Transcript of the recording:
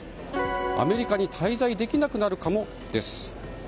アメリカに滞在できなくなるかもです。